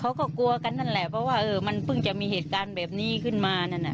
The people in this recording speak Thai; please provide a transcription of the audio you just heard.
เขาก็กลัวกันนั่นแหละเพราะว่ามันเพิ่งจะมีเหตุการณ์แบบนี้ขึ้นมานั่นน่ะ